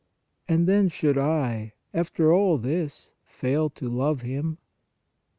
And then should I, after all this, fail to love Him !